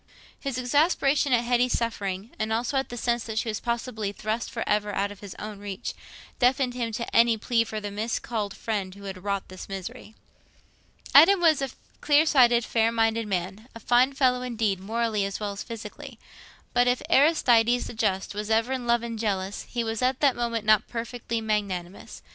His exasperation at Hetty's suffering—and also at the sense that she was possibly thrust for ever out of his own reach—deafened him to any plea for the miscalled friend who had wrought this misery. Adam was a clear sighted, fair minded man—a fine fellow, indeed, morally as well as physically. But if Aristides the Just was ever in love and jealous, he was at that moment not perfectly magnanimous.